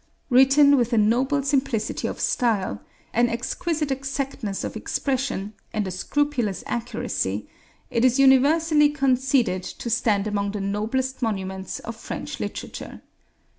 Written with a noble simplicity of style, an exquisite exactness of expression, and a scrupulous accuracy, it is universally conceded to stand among the noblest monuments of French literature....